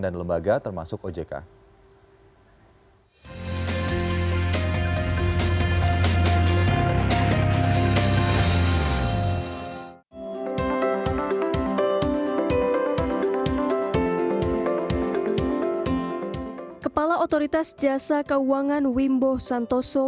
dan lembaga termasuk ojk hai hai hai hai hai kepala otoritas jasa keuangan wimbo santoso